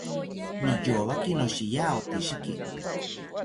Niyowaki noshiya otishiki